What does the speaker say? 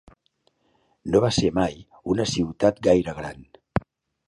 No va ser mai una ciutat gaire gran.